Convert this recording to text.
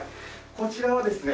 こちらはですね